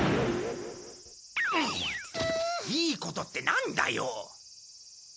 いいことってなんだよ？